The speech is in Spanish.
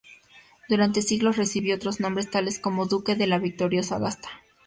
Durante siglos recibió otros nombres tales como Duque de la Victoria o Sagasta